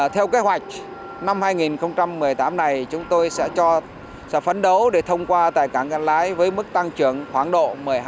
theo kế hoạch năm hai nghìn một mươi tám này chúng tôi sẽ phấn đấu để thông qua tại cảng cát lái với mức tăng trưởng khoảng độ một mươi hai